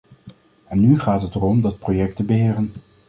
En nu gaat het erom dat project te beheren.